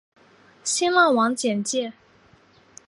新浪网简介